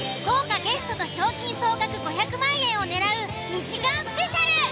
豪華ゲストと賞金総額５００万円を狙う２時間スペシャル！